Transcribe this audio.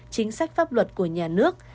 chính sách pháp luật của nhà nước